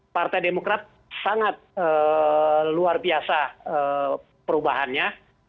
partai demokrat sangat luar biasa perubahannya